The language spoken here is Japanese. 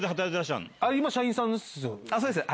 今社員さんですよね？